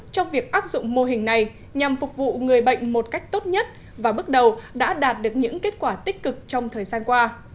trong việc áp dụng mô hình này nhằm phục vụ người bệnh một cách tốt nhất và bước đầu đã đạt được những kết quả tích cực trong thời gian qua